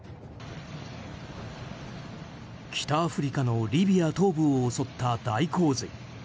北アフリカのリビア東部を襲った大洪水。